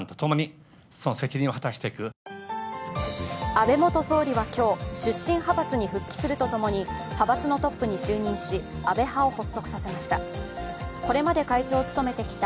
安倍元総理は今日、出身派閥に復帰するとともに派閥のトップに就任し安倍派を発足させました。